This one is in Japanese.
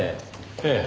ええ。